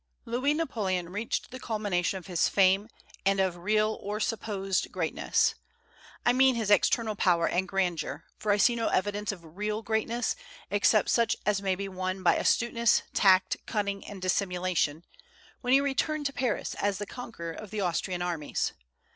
Louis Napoleon reached the culmination of his fame and of real or supposed greatness I mean his external power and grandeur, for I see no evidence of real greatness except such as may be won by astuteness, tact, cunning, and dissimulation when he returned to Paris as the conqueror of the Austrian armies.